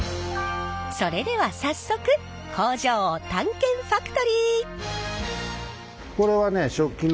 それでは早速工場を探検ファクトリー。